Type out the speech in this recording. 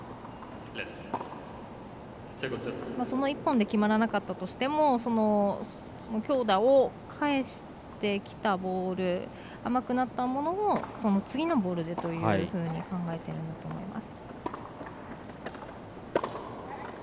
その１本で決まらなかったとしても強打を返してきたボール甘くなったものを次のボールでというように考えてるんだと思います。